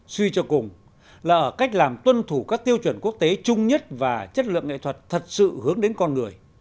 suy cho cùng là ở cách làm tuân thủ các tiêu chuẩn quốc tế chung nhất và chất lượng nghệ thuật thật sự hướng đến con người